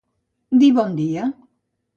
Dir bon dia.